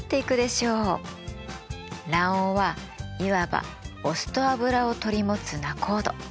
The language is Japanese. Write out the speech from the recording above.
卵黄はいわばお酢と油を取り持つ仲人。